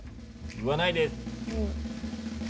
言わないです。